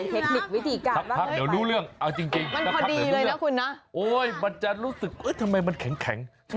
เทคนิควิธีการว่า